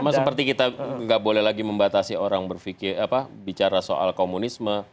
sama seperti kita nggak boleh lagi membatasi orang bicara soal komunisme